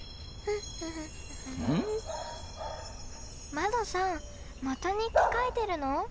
まどさんまた日記書いてるの？